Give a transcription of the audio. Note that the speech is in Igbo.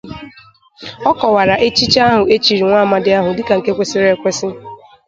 Ọ kọwara echichi ahụ e chiri nwa amadi ahụ dịka nke kwesiri ekwesi